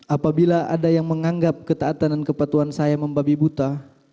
apabila ada yang menganggap ketaatan dan kepatuhan saya membabi buta